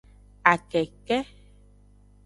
Akeke.